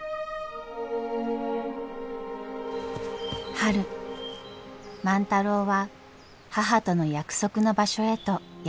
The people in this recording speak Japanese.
春万太郎は母との約束の場所へとやって来ました。